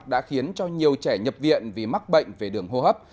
đã khiến cho nhiều trẻ nhập viện vì mắc bệnh về đường hô hấp